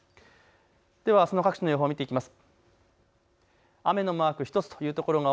ではあすの各地の予報を見ていきます。